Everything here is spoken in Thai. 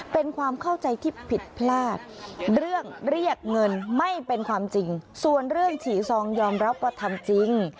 เป็นความเข้าใจที่ผิดพลาดเรื่องเรียกเงินไม่เป็นความจริงส่วนเรื่องฉี่ซองยอมรับว่าทำจริง